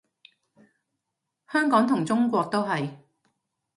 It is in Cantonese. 香港同中國都係